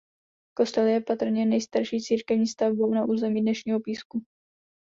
Kostel je patrně nejstarší církevní stavbou na území dnešního Písku.